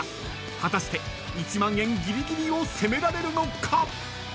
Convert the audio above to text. ［果たして１万円ギリギリを攻められるのか？］